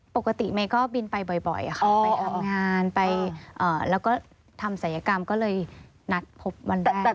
ปกติเมย์ก็บินไปบ่อยค่ะไปทำงานไปแล้วก็ทำศัยกรรมก็เลยนัดพบวันแรก